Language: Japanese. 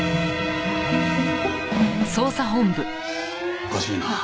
おかしいなあ。